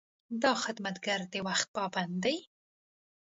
دا خدمتګر د وخت پابند دی.